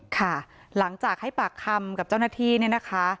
ค่ะหลังจากให้ปากคำกับเจ้าหน้าที่เนี่ยนะคะ